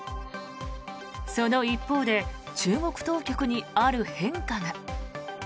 その一方で中国当局にある変化が。